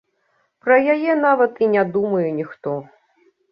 Пра яе нават і не думае ніхто.